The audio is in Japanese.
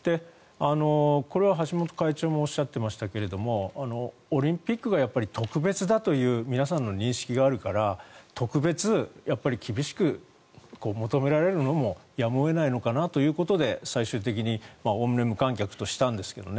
これは橋本会長もおっしゃっていましたけどオリンピックがやっぱり特別だという皆さんの認識があるから特別厳しく求められるのもやむを得ないのかなということで最終的におおむね無観客としたんですけどね。